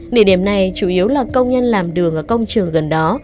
địa điểm này chủ yếu là công nhân làm đường ở công trường gần đó